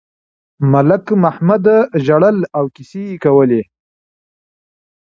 ملک محمد ژړل او کیسې یې کولې.